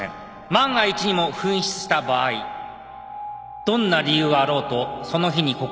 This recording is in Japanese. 万が一にも紛失した場合どんな理由があろうとその日にここを辞めてもらいます